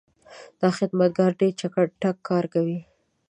دا خدمتګر ډېر چټک کار کوي.